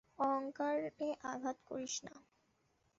অহংকারে আঘাত করিস না।